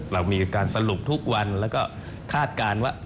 เรามีการสรุปทุกวันแล้วก็คาดการณ์ว่า